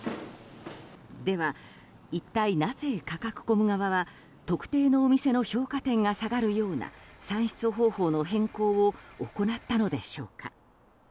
では、一体なぜカカクコム側は特定のお店の評価点が下がるような算出方法の変更を行ったのでしょうか？